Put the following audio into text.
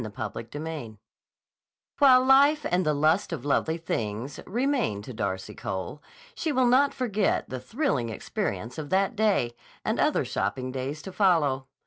'" CHAPTER IX WHILE life and the lust of lovely things remain to Darcy Cole, she will not forget the thrilling experience of that day and other shopping days to follow.